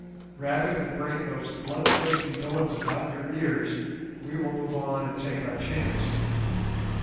"Rather than bring those bloodthirsty villains about your ears, we will move on and take our chance."